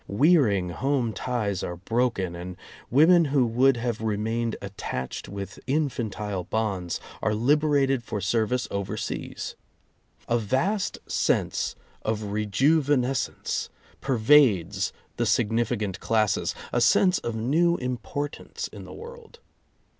Wearing home ties are broken and women who would have remained attached with infantile bonds are liberated for service overseas. A vast sense of rejuvenescence pervades the significant [ H2] classes, a sense of new importance in the world.